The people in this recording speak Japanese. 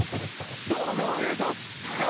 どーもくん、お願いします。